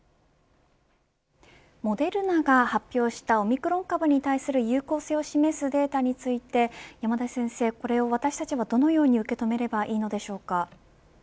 モデルナが発表したオミクロン株に対する有効性を示すデータについて山田先生これを私たちはどのように受け止めたらよいのでしょうか。